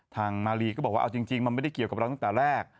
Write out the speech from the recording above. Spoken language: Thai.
มารีก็บอกว่าเอาจริงมันไม่ได้เกี่ยวกับเราตั้งแต่แรก